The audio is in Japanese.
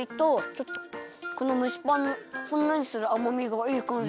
ちょっとこのむしパンのほんのりするあまみがいいかんじに。